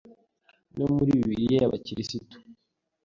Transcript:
no muri bibiliya y’abakirisitu;